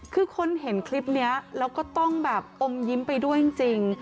คือคนเห็นคลิปนี้แล้วก็ต้องแบบอมยิ้มไปด้วยจริง